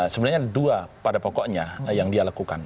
sebenarnya ada dua pada pokoknya yang dia lakukan